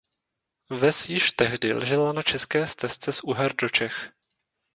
Ves již tehdy ležela na "české stezce" z Uher do Čech.